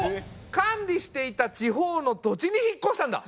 管理していた地方の土地に引っこしたんだ。